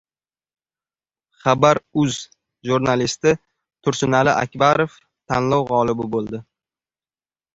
«Xabar.uz» jurnalisti Tursunali Akbarov tanlov g‘olibi bo‘ldi